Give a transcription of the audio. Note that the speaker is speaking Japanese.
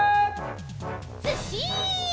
ずっしん！